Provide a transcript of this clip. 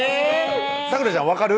咲楽ちゃん分かる？